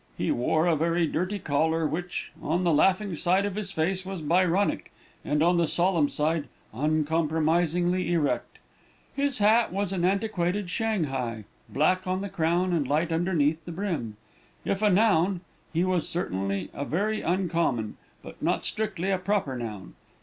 He wore a very dirty collar, which, on the laughing side of his face was Byronic, and on the solemn side, uncompromisingly erect. His hat was an antiquated shanghae black on the crown and light underneath the brim. If a noun, he was certainly a very uncommon, but not strictly a proper noun.